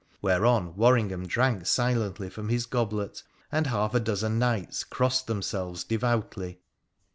' Whereon Worringham drank silently from his goblet, and half a dozen knights crossed themselves devoutly.